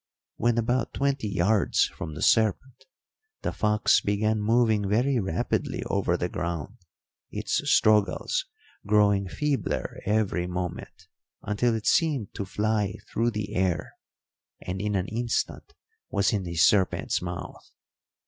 When about twenty yards from the serpent the fox began moving very rapidly over the ground, its struggles growing feebler every moment, until it seemed to fly through the air, and in an instant was in the serpent's mouth.